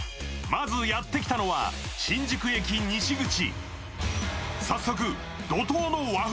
まずやってきたのは新宿駅西口。